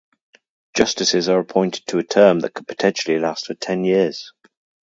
Justices are appointed to a term that could potentially last for ten years.